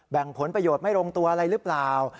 ผลประโยชน์ไม่ลงตัวอะไรหรือเปล่า